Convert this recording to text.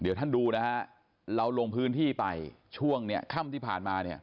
เดี๋ยวท่านดูนะฮะเราลงพื้นที่ไปช่วงเนี่ยค่ำที่ผ่านมาเนี่ย